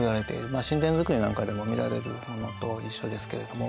まあ寝殿造なんかでも見られるものと一緒ですけれども。